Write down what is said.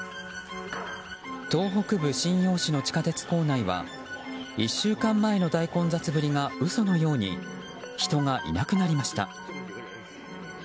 東北部瀋陽市の地下鉄構内は１週間前の大混雑ぶりが嘘のように人がいなくなりました。